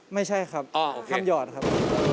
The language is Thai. ไม่ใช่ครับคำหยอดครับ